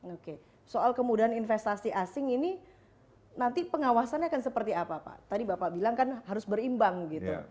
oke soal kemudahan investasi asing ini nanti pengawasannya akan seperti apa pak tadi bapak bilang kan harus berimbang gitu